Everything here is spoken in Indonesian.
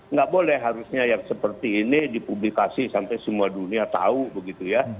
nggak boleh harusnya yang seperti ini dipublikasi sampai semua dunia tahu begitu ya